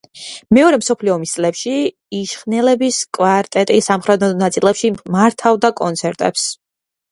მეორე მსოფლიო ომის წლებში იშხნელების კვარტეტი სამხედრო ნაწილებში მართავდა კონცერტებს.